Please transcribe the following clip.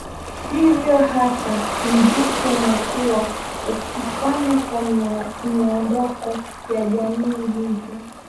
Hivyo hata mziki umekuwa ukifanya kwa miondoko ya jamii hiyo